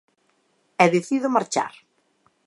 E decido marchar.